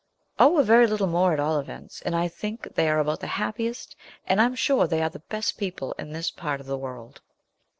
'On a very little more, at all events; and I think they are about the happiest, and I'm sure they are the best people in this part of the world.'